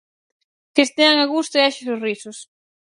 Que estean a gusto e haxa sorrisos.